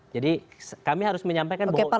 jadi kami harus menyampaikan bahwa ini potensi